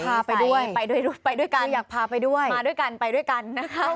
พาไปด้วยไปด้วยไปด้วยกันอยากพาไปด้วยมาด้วยกันไปด้วยกันนะคะ